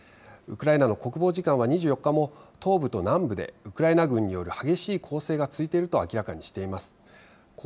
ウクライナの国防次官は２４日も、東部と南部でウクライナ軍による激しい攻勢が続いていると明らかにしています。